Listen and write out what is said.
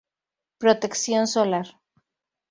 Protección solar.